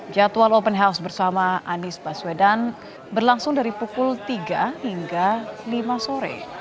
jadwal open house bersama anies baswedan berlangsung dari pukul tiga hingga lima sore